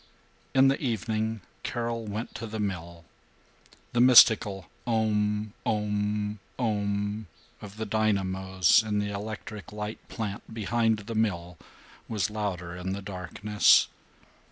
In the evening Carol went to the mill. The mystical Om Om Om of the dynamos in the electric light plant behind the mill was louder in the darkness.